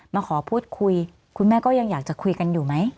มาขอพูดคุยคุณแม่ก็ยังอยากจะคุยกันอยู่ไหม